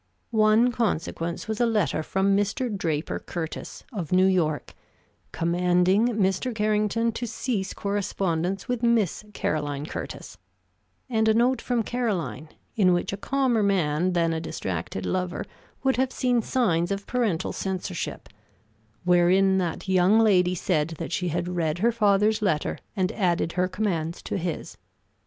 One consequence was a letter from Mr. Draper Curtis, of New York, commanding Mr. Carrington to cease correspondence with Miss Caroline Curtis; and a note from Caroline, in which a calmer man than a distracted lover would have seen signs of parental censorship, wherein that young lady said that she had read her father's letter and added her commands to his.